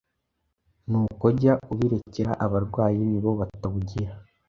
nuko jya ubirekera abarwayi nibo batabugira